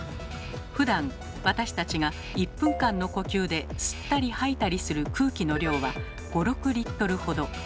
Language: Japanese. ふだん私たちが１分間の呼吸で吸ったり吐いたりする空気の量は５６リットルほど。